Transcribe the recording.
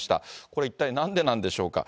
これ、一体なんでなんでしょうか。